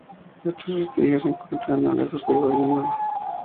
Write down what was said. Estos vestigios se encuentran no lejos de la Gironda.